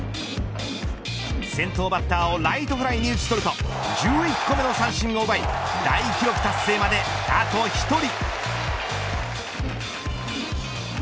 先頭バッターをライトフライに打ち取ると１１個目の三振を奪い大記録達成まであと１人。